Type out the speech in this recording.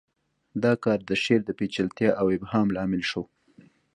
دا کار د شعر د پیچلتیا او ابهام لامل شو